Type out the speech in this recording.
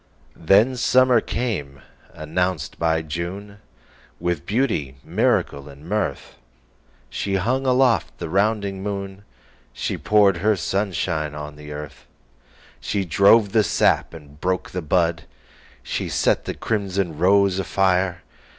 Then summer came, announced by June, With beauty, miracle and mirth. She hung aloft the rounding moon, She poured her sunshine on the earth, She drove the sap and broke the bud, She set the crimson rose afire.